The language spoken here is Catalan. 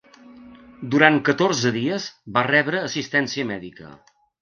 Durant catorze dies va rebre assistència mèdica.